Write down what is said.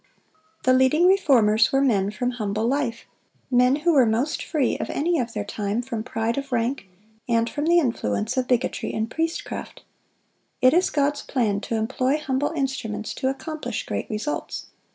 The leading Reformers were men from humble life,—men who were most free of any of their time from pride of rank, and from the influence of bigotry and priestcraft. It is God's plan to employ humble instruments to accomplish great results.